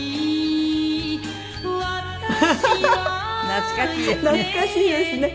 懐かしいですね。